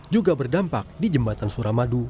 juga berdampak di jembatan suramadu